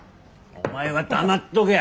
お前は黙っとけ。